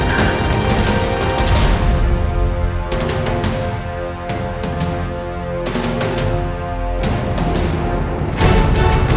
kamu ini siapa sebenarnya